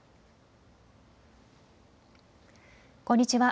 こんにちは。